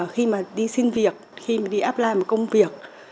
khi mà đi xin việc khi mà đi apply một công việc